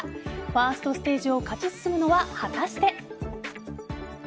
ファーストステージを勝ち進むのは果たして。